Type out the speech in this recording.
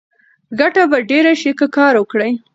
ګټه به ډېره شي که کار وکړې.